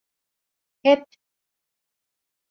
Hep…